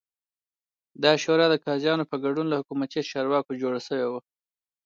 دا شورا د قاضیانو په ګډون له حکومتي چارواکو جوړه شوې وه